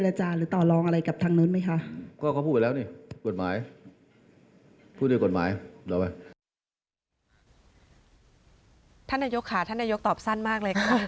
ท่านนายกค่ะท่านนายกตอบสั้นมากเลยค่ะ